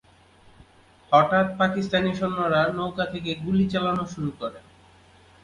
হঠাৎ, পাকিস্তানি সৈন্যরা নৌকা থেকে গুলি চালানো শুরু করে।